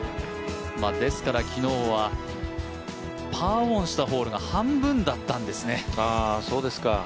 ですから、昨日はパーオンしたホールが半分だったんですね。